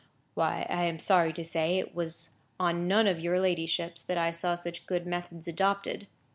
"Why, I am sorry to say, it was on none of your ladyship's that I saw such good methods adopted.